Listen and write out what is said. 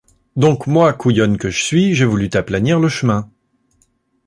Donc moi, couillonne que je suis, j’ai voulu t’aplanir le chemin.